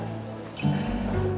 ya nih orang